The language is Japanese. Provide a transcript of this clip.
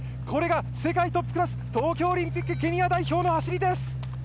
これが世界トップクラス、東京オリンピックケニア代表の走りです。